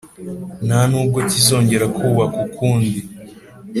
nta n’ubwo kizongera kubakwa ukundi.